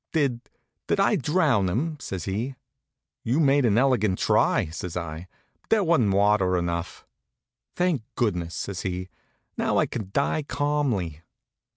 "Did did I drown him?" says he. "You made an elegant try," says I; "but there wasn't water enough." "Thank goodness!" says he. "Now I can die calmly."